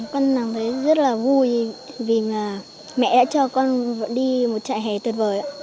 con đang thấy rất là vui vì mà mẹ đã cho con đi một trại hè tuyệt vời